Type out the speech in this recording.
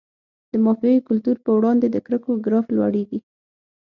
د مافیایي کلتور په وړاندې د کرکو ګراف لوړیږي.